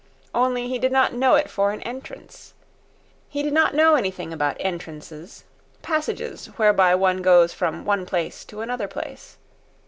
Only he did not know it for an entrance. He did not know anything about entrances—passages whereby one goes from one place to another place.